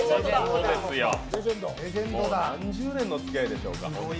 もう何十年のつきあいでしょうか。